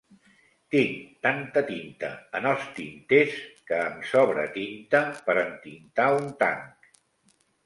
Tinc tanta tinta en els tinters que em sobra tinta per entintar un tanc.